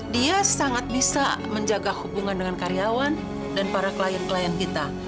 dia sangat bisa menjaga hubungan dengan karyawan dan para klien klien kita